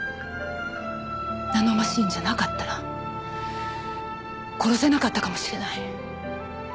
ナノマシンじゃなかったら殺せなかったかもしれない。